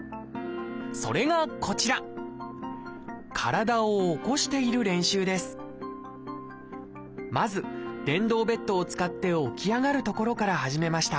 それがこちらまず電動ベッドを使って起き上がるところから始めました。